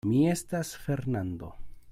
Mi estas Fernando.